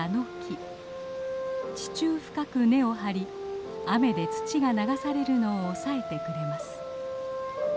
地中深く根を張り雨で土が流されるのを押さえてくれます。